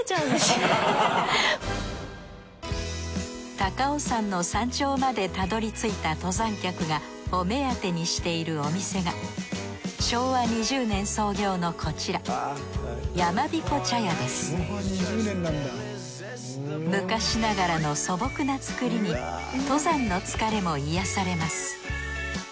高尾山の山頂までたどり着いた登山客がお目当てにしているお店が昭和２０年創業のこちら昔ながらの素朴な造りに登山の疲れも癒やされます。